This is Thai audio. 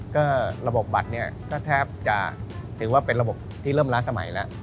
ก็ระบบบัตรนี้ก็แทบจะถือว่าเป็นระบบที่เริ่มล้าสมัยแล้ว